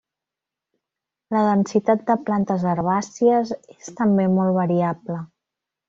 La densitat de plantes herbàcies és també molt variable.